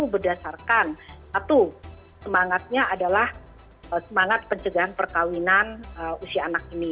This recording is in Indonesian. berdasarkan satu semangatnya adalah semangat pencegahan perkawinan usia anak ini